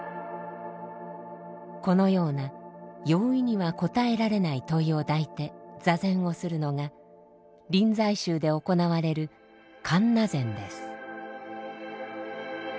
このような容易には答えられない問いを抱いて坐禅をするのが臨済宗で行われる「看話禅」です。